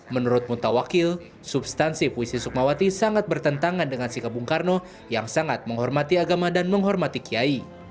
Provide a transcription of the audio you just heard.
menurut muntawakil substansi puisi sukmawati sangat bertentangan dengan sikap bung karno yang sangat menghormati agama dan menghormati kiai